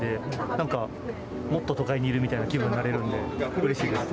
何か、もっと都会にいるみたいな気分なれるんでうれしいです。